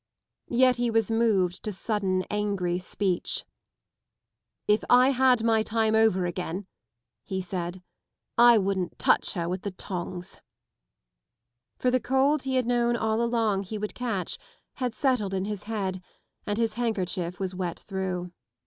Yet he was moved to sudden angry speech. " If I had my time over again," he said, " I wouldn't touch her with the tongs," For the cold he had known al! along he would catch had settled in his head, and his handkerchief was wet through.